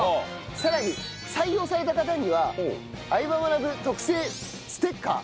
さらに採用された方には『相葉マナブ』特製ステッカー